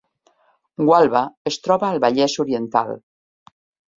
Gualba es troba al Vallès Oriental